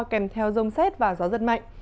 kèm theo rông xét và gió dần mạnh